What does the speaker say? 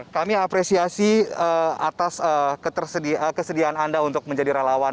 kami apresiasi atas kesediaan anda untuk menjadi relawan